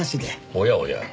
おやおや。